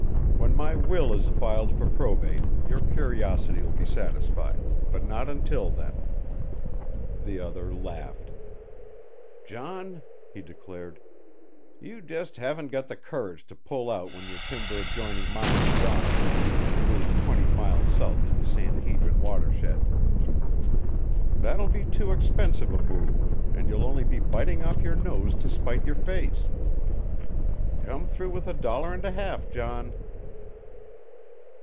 When my will is filed for probate, your curiosity will be satisfied but not until then." The other laughed. "John," he declared, "you just haven't got the courage to pull out when your timber adjoining mine is gone, and move twenty miles south to the San Hedrin watershed. That will be too expensive a move, and you'll only be biting off your nose to spite your face. Come through with a dollar and a half, John."